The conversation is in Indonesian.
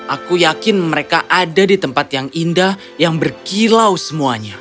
aku yakin mereka ada di tempat yang indah yang berkilau semuanya